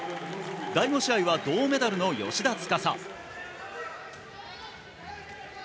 第５試合は銅メダルの芳田司。